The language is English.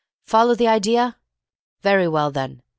Follow the idea? Very well, then.